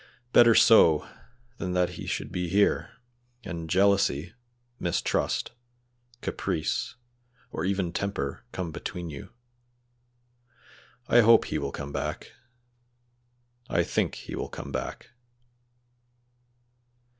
Better so than that he should be here and jealousy, mistrust, caprice, or even temper come between you. I hope he will come back; I think he will come back."